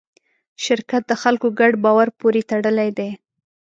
شرکت د خلکو ګډ باور پورې تړلی دی.